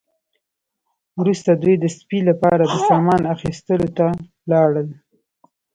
وروسته دوی د سپي لپاره د سامان اخیستلو ته لاړل